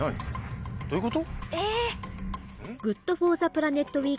どういうこと？